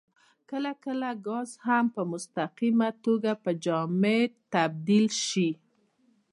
کله کله ګاز هم په مستقیمه توګه په جامد تبدیل شي.